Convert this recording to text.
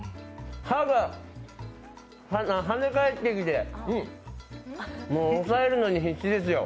歯がはね返ってきて、もう押さえるのに必死ですよ。